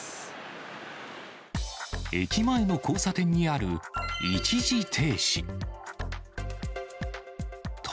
駅前の交差点にある、一時停止。